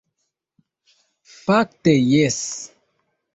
Fakte jes!